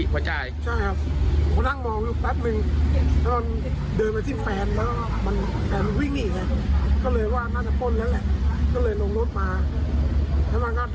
เพราะว่าน้ำพุ่ม